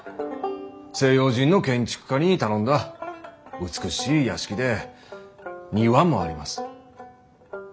西洋人の建築家に頼んだ美しい屋敷で庭もあります。